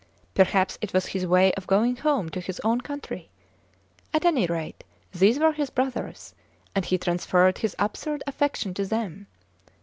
Perhaps it was his way of going home to his own country? At any rate, these were his brothers, and he transferred his absurd affection to them.